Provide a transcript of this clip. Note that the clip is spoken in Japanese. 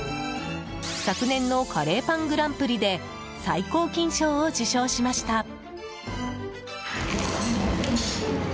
昨年のカレーパングランプリで最高金賞を受賞しました。